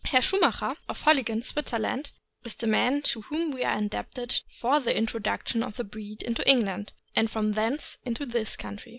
Herr Schumacher, of Holligen, Switzerland, is the man to whom we are indebted for the introduction of the breed into England, and from thence into this country.